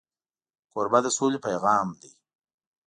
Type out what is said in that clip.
کوربه د سولې پیغام دی.